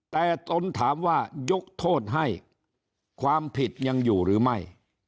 แต่ตนถามว่ายกโทษให้ความผิดยังอยู่หรือไม่